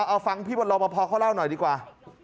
เอาฟังพี่วันรอปภเขาเล่าหน่อยดีกว่า